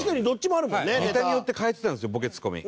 ネタによって変えてたんですよボケツッコミ。